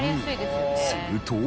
すると。